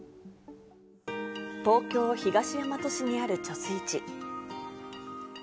東京・東大和市にある貯水池。